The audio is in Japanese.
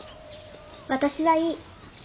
私はいい。